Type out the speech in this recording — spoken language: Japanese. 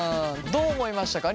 どう思いましたか？